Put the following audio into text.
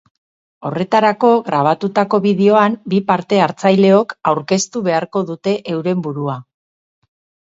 Horretarako, grabatutako bideoan, bi parte-hartzaileok aurkeztu beharko dute euren burua.